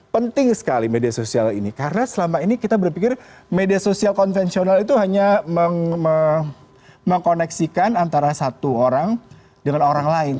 penting sekali media sosial ini karena selama ini kita berpikir media sosial konvensional itu hanya mengkoneksikan antara satu orang dengan orang lain